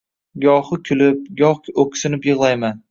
Gohi kulib, goh o‘ksinib yig‘layman